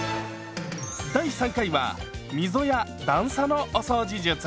第３回は溝や段差のお掃除術。